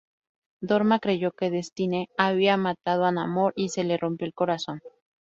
Dorma creyó que Destine había matado a Namor y se le rompió el corazón.